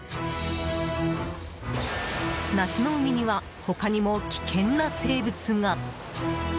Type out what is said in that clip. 夏の海には、他にも危険な生物が。